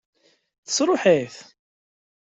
Tesṛuḥ-it?